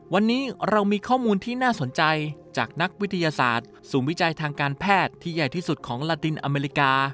วันนี้เรามีข้อมูลที่น่าสนใจจากนักวิทยาศาสตร์ศูนย์วิจัยทางการแพทย์ที่ใหญ่ที่สุดของลาตินอเมริกา